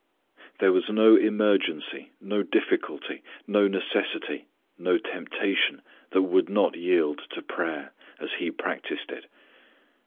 There was no emergency, no difficulty, no necessity, no temptation that would not yield to prayer, as He practiced it.